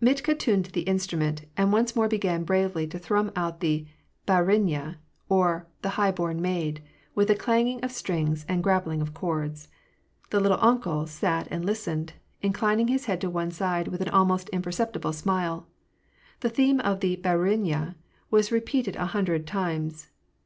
Mitka tuned the in strument, and once more began bravely to thrum out the Bd ruint/a, or " The High born Maid," with a clanging of strings and grappling of chords. The " little uncle " sat and listened, inclining his head to one side with an almost imperceptible smile. The theme of the Bdruinya was repeated a hundred times.